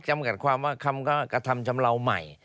จำกัดความว่าคำกระทำชำเลาใหม่